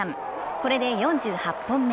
これで４８本目。